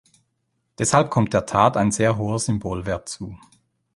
Deshalb kommt der Tat ein sehr hoher Symbolwert zu.